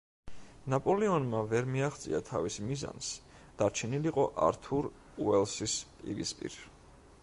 ნაპოლეონმა ვერ მიაღწია თავის მიზანს, დარჩენილიყო ართურ უელსლის პირისპირ.